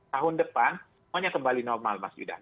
tahun depan semuanya kembali normal mas yudan